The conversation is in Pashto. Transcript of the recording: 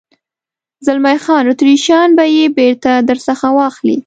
زلمی خان: اتریشیان به یې بېرته در څخه واخلي.